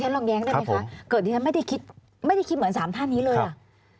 ดิฉันลองแย้งได้ไหมคะเกิดดิฉันไม่ได้คิดเหมือน๓ท่านนี้เลย